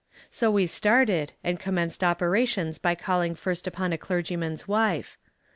So we started, and commenced operations by calling first upon a clergyman's wife.